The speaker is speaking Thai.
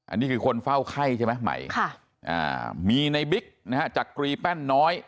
อันนี้คือคนเฝ้าไข้ใช่ไหมใหม่มีในบิ๊กนะฮะจักรีแป้นน้อย